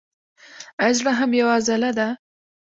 ایا زړه هم یوه عضله ده